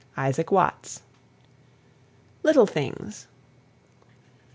ISAAC WATTS. LITTLE THINGS.